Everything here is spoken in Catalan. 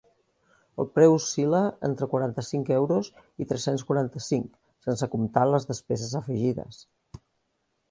El preu oscil·la entre quaranta-cinc euros i tres-cents quaranta-cinc, sense comptar les despeses afegides.